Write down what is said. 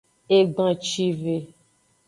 Egbancive.